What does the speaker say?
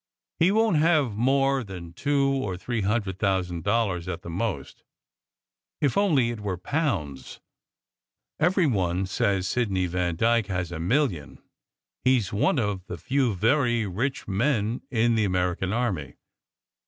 "He won t have more than two or three hundred thousand dollars at the most. If only it were pounds! Every one says Sidney Vandyke has a million. He s one of the few very rich men in the American army."